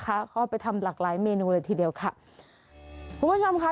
เขาเอาไปทำหลากหลายเมนูเลยทีเดียวค่ะคุณผู้ชมค่ะ